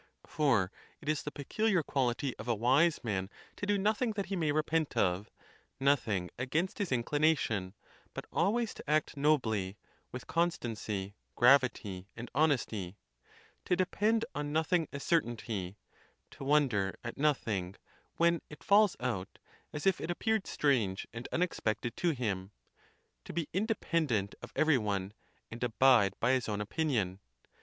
For it is the peculiar quality of a wise man to do nothing that he may repent of, nothing against his inclination, but always to act nobly, with constancy, gravity, and honesty; to depend on nothing as certainty; to wonder at nothing, when it falls out, as if it appeared strange and unexpected to him; to be independent of every one, and abide by his own opinion.